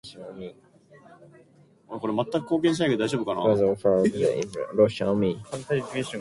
People now generally refer to that as the "old" Mariucci Arena.